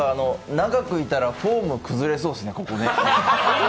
長くいたら、フォーム崩れそうですね、ここね。